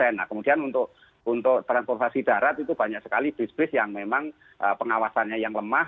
nah kemudian untuk transportasi darat itu banyak sekali bis bis yang memang pengawasannya yang lemah